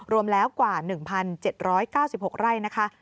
รวมแล้วกว่า๑๗๙๖ไร่นะคะ